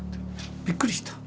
びっくりした。